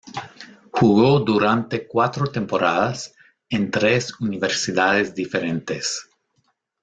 Jugó durante cuatro temporadas en tres universidades diferentes.